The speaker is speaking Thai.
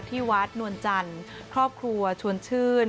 ที่วัดนวลจันทร์ครอบครัวชวนชื่น